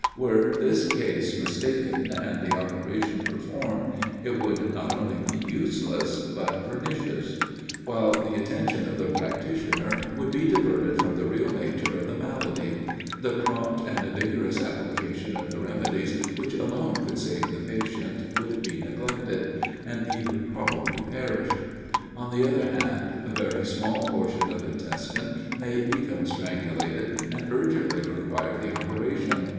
Were this case mistaken, and the operation performed, it would not only be useless, but pernicious: while the attention of the practitioner would be diverted from the real nature of the malady; the prompt and vigorous application of the remedies which alone could save the patient, would be neglected, and he would probably perish. On the other hand, a very small portion of intestine may become strangulated, and urgently require the operation.